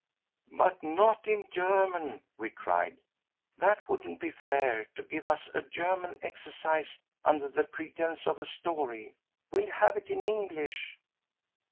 "But not in German," we cried, "that wouldn't be fair, to give us a German exercise under the pretence of a story; we'll have it in English."